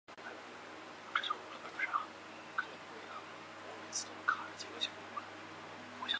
奥尔谢斯。